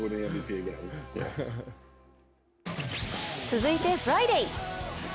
続いてフライデー。